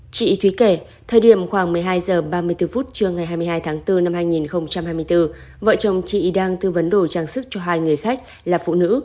chị thúy kể thời điểm khoảng một mươi hai h ba mươi bốn phút trưa ngày hai mươi hai tháng bốn năm hai nghìn hai mươi bốn vợ chồng chị đang tư vấn đồ trang sức cho hai người khách là phụ nữ